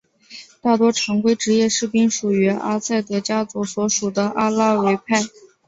大多常规职业士兵属于阿萨德家族所属的阿拉维派。